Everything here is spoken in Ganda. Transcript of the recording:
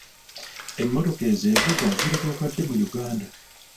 Emmotoka ezeevuga zirituuka ddi mu Uganda?